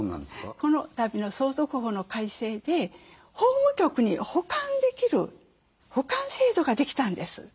このたびの相続法の改正で法務局に保管できる保管制度ができたんです。